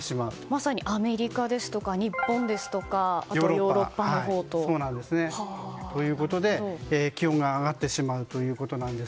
まさにアメリカですとか日本ですとかあとヨーロッパのほうと。ということで気温が上がってしまうと。